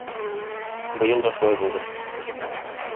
Быел да шулай булды.